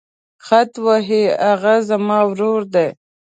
خط وهي هغه زما ورور دی.